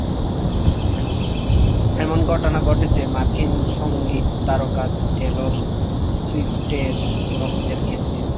এমন ঘটনা ঘটেছে মার্কিন সংগীত তারকা টেলর সুইফটের ভক্তের ক্ষেত্রে।